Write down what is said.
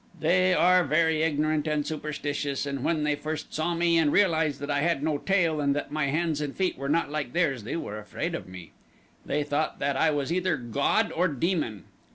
They are very ignorant and superstitious and when they first saw me and realized that I had no tail and that my hands and feet were not like theirs they were afraid of me. They thought that I was either god or demon.